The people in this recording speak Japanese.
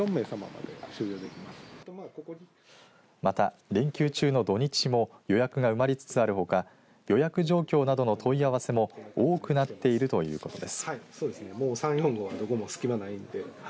また連休中の土日も予約が埋まりつつあるほか予約状況などの問い合わせも多くなっているということです。